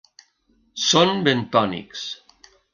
Són bentònics.